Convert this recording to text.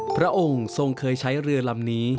พระองค์ทรงเคยใช้เรือลำนี้